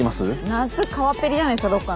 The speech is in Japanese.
夏川っぺりじゃないですか？